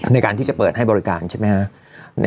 ในการที่จะเปิดให้บริการใช่ไหมครับ